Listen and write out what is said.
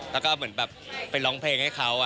แล้วก็เหมือนแบบไปร้องเพลงให้เขา